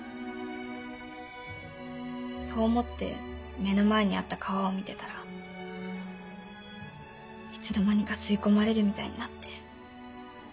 そう思って目の前にあった川を見てたらいつの間にか吸い込まれるみたいになって。